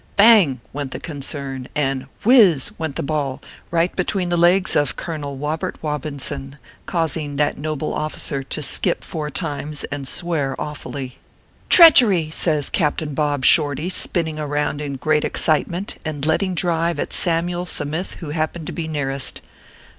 Bang ! went the concern, and whiz ! went the ball right between the legs of Colonel Wobert Wobinson, causing that noble officer to skip four times, and swear awfully. 162 ORPHEUS C. KERR PAPERS. "Treachery \" says Captain Bob Shorty, spinning around in great excitement, and letting drive at Samyule Sa mith who happened to be nearest.